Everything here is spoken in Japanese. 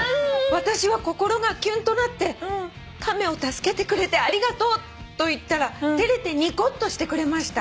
「私は心がキュンとなって『亀を助けてくれてありがとう』と言ったら照れてニコッとしてくれました」